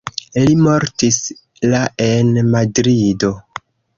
Li mortis la en Madrido.